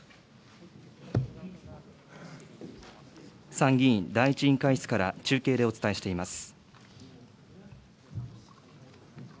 参議院第１委員会室から中継でお伝えしています。